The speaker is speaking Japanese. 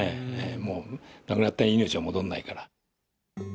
もう亡くなった命は戻んないから。